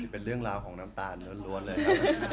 เป็นเรื่องราวของน้ำตาลล้วนเลยครับ